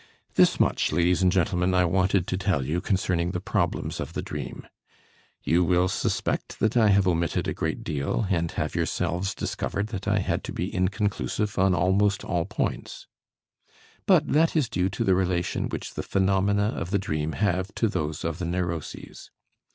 This much, ladies and gentlemen, I wanted to tell you concerning the problems of the dream. You will suspect that I have omitted a great deal, and have yourselves discovered that I had to be inconclusive on almost all points. But that is due to the relation which the phenomena of the dream have to those of the neuroses.